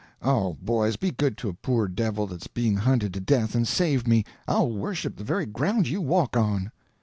—oh, boys, be good to a poor devil that's being hunted to death, and save me—I'll worship the very ground you walk on!"